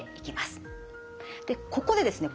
でここでですね